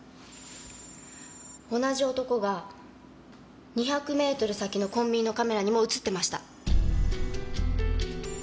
同じ男が２００メートル先のコンビニのカメラにも映ってました。